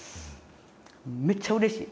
めっちゃうれしい。